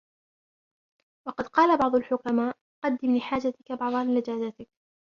وَقَدْ قَالَ بَعْضُ الْحُكَمَاءِ قَدِّمْ لِحَاجَتِك بَعْضَ لَجَاجَتِك